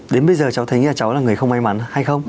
đến bây giờ cháu thấy nhà cháu là người không may mắn hay không